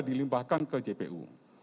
dilimahkan ke jpu